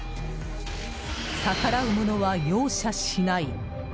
逆らう者は容赦しない。